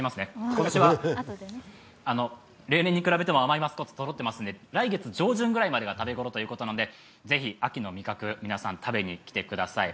今年は例年に比べても甘いマスカットそろっているので来月上旬ぐらいまでが食べ頃ということなのでぜひ秋の味覚、皆さん食べに来てください。